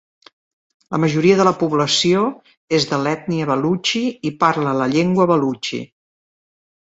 La majoria de la població és de l'ètnia Balutxi i parla la llengua Balutxi.